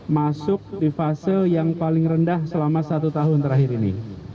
masuk di fase yang paling rendah selama satu tahun terakhir ini